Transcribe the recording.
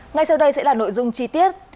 ngay sau đây sẽ là nội dung chi tiết